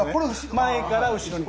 前から後ろに。